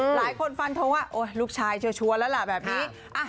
หลายคนฟันโทรว่าลูกชายชัวร์แล้วแบบนี้